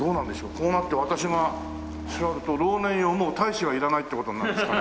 こうなって私が座ると「老年よもう大志はいらない」って事になるんですかね？